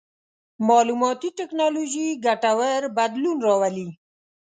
مالوماتي ټکنالوژي ګټور بدلون راولي.